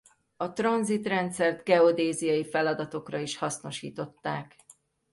A Transit rendszert geodéziai feladatokra is hasznosították.